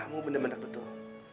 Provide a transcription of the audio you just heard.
kamu benar benar betul